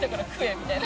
みたいな。